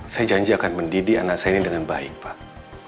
saya janji akan mendidik anak saya ini dengan baik pak